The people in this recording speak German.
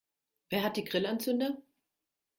Wer hat die Grillanzünder?